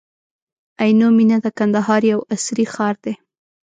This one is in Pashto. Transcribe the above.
عینو مېنه د کندهار یو عصري ښار دی.